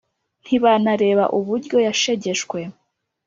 ntibanareba uburyo yashegeshwe